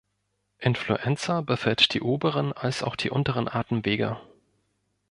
Influenza befällt die oberen als auch die unteren Atemwege.